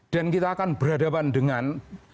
dan kita akan berhadapan dengan